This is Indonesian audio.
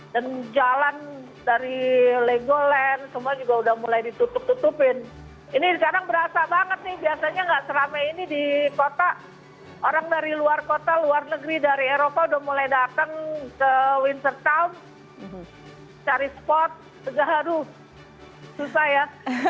jalan dari legoland semua juga udah mulai ditutup tutupin ini sekarang berasa banget nih biasanya gak seramai ini di kota orang dari luar kota luar negeri dari eropa udah mulai datang ke windsor town cari spot juga aduh susah ya